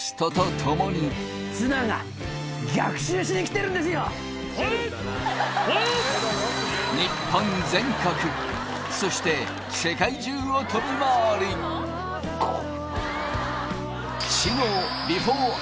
追え！日本全国そして世界中を飛び回りうぉ！